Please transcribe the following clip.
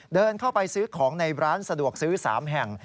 เดินเข้าไปซื้อของในร้านสะดวกซื้อ๓แห่ง